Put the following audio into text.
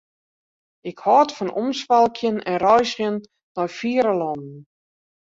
Ik hâld fan omswalkjen en reizgjen nei fiere lannen.